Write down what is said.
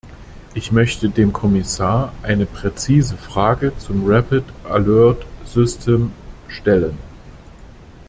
Ich möchte dem Kommissar eine präzise Frage zum rapid alert system stellen.